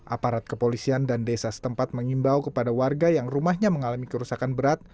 aparat kepolisian dan desa setempat mengimbau kepada warga yang rumahnya mengalami kerusakan berat